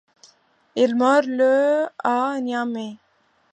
Il meurt le à Niamey.